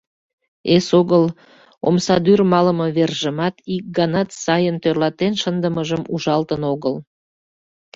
Эсогыл, омсадӱр малыме вержымат ик ганат сайын тӧрлатен шындымыжым ужалтын огыл.